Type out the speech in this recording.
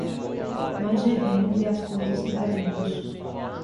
Nós vivemos e as coisas que veremos.